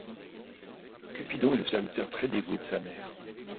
Cupidon est le serviteur très dévoué de sa mère.